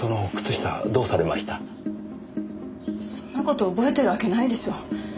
そんな事覚えてるわけないでしょ。